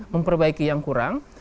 memperbaiki yang kurang